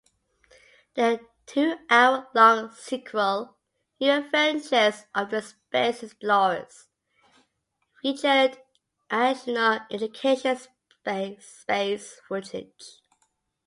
The two-hour-long sequel "New Adventures of the Space Explorers" featured additional educational space footage.